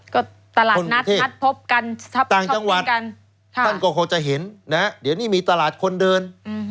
ก็ตลาดนัดพบกันทั้งจังหวัดก็จะเห็นเดี๋ยวนี้มีตลาดคนเดิน